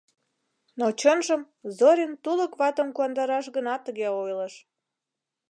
Но чынжым, Зорин тулык ватым куандараш гына тыге ойлыш.